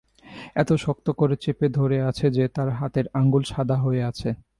এত শক্ত করে চেপে ধরে আছে যে, তার হাতের আঙুল সাদা হয়ে আছে।